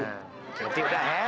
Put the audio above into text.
jadi udah ya